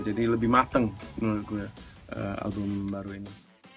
jadi lebih mateng menurut gue album baru ini